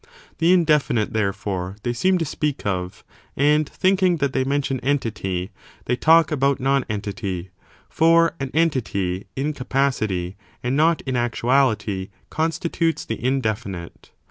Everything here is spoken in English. The indefinite, therefore, they seem to speak of, and, thinking that they mention entity, they talk about nonentity; for an entity in capacity, and not in actuality, constitutes the indefinite.